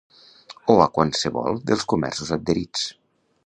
o a qualsevol dels comerços adherits